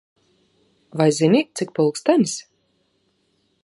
Vai zini, cik pulkstenis?